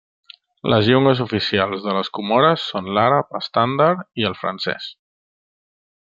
Les llengües oficials de les Comores són l'àrab estàndard i el francès.